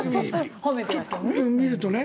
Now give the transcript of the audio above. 見るとね。